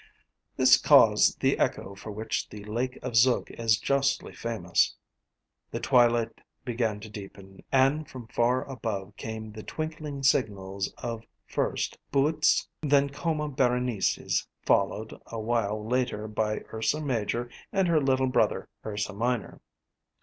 This caused the echo for which the Lake of Zug is justly famous. The twilight began to deepen and from far above came the twinkling signals of, first, Böotes, then Coma Berenices, followed, awhile later, by Ursa Major and her little brother, Ursa Minor.